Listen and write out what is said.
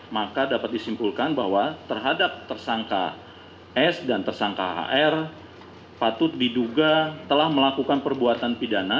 maka dapat disimpulkan bahwa terhadap tersangka s dan tersangka hr patut diduga telah melakukan perbuatan pidana